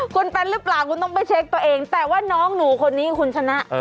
คุณเป็นหรือเปล่าคุณต้องไปเช็คตัวเองแต่ว่าน้องหนูคนนี้คุณชนะ